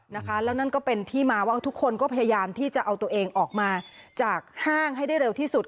แล้วนั่นก็เป็นที่มาว่าทุกคนก็พยายามที่จะเอาตัวเองออกมาจากห้างให้ได้เร็วที่สุด